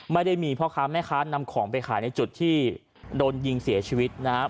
ไม่ได้มีพ่อค้าแม่ค้านำของไปขายในจุดที่โดนยิงเสียชีวิตนะครับ